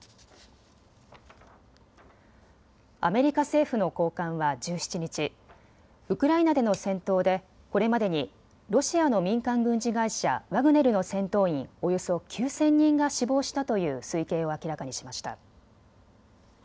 アメリカ政府の高官は１７日、ウクライナでの戦闘でこれまでにロシアの民間軍事会社、ワグネルの戦闘員およそ９０００人が死亡したという推計を明らかにしました。